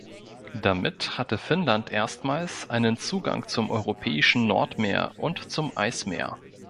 Damit hatte Finnland erstmals einen Zugang zum Europäischen Nordmeer und zum Eismeer.